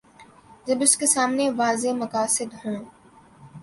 جب اس کے سامنے واضح مقاصد ہوں۔